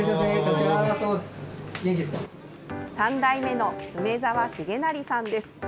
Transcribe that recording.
３代目の梅澤重成さんです。